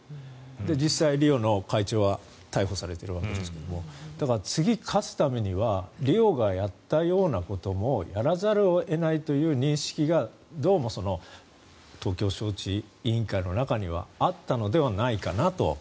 実際、リオの会長は逮捕されているわけですがだから、次に勝つためにはリオがやったようなこともやらざるを得ないというような認識がどうも東京招致委員会の中にはあったのではないかなと。